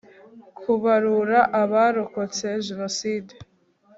Kubarura abarokotse Jenoside